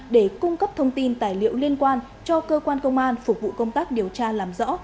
để cung cấp thông tin tài liệu liên quan cho cơ quan công an phục vụ công tác điều tra làm rõ